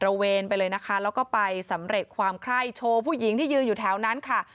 เวนไปเลยนะคะแล้วก็ไปสำเร็จความไคร้โชว์ผู้หญิงที่ยืนอยู่แถวนั้นค่ะ